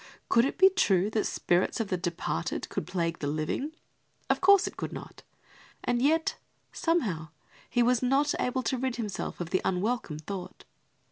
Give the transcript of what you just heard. Could it be true that the spirits of the departed could plague the living? Of course it could not; and yet, somehow, he was not able to rid himself of the unwelcome thought.